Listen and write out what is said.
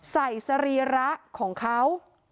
ใส่สรีระของเขา